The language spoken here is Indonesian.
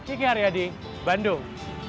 kiki haryadi bandung